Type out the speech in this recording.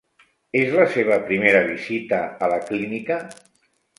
És la seva primera visita a la clínica?